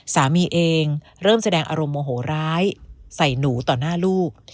สามีเองเริ่มแสดงอารมณ์โมโหร้ายใส่หนูต่อหน้าลูก